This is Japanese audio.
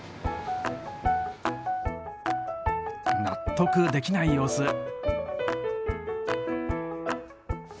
納得できない様子。